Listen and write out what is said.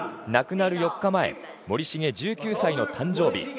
亡くなる４日前森重１９歳の誕生日。